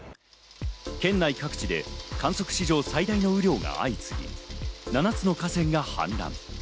県内各地で観測史上最大の雨量が相次ぎ、７つの河川が氾濫。